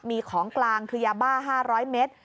มีของกลางคือยาบ้า๕๐๐เมตร